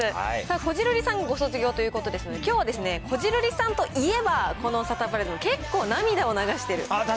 こじるりさん、ご卒業ということですので、きょうはこじるりさんといえば、このサタプラでも、結構涙を流してる。